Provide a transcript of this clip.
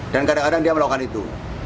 dan kadang kadang dia melakukan itu